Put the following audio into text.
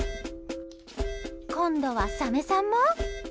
今度はサメさんも？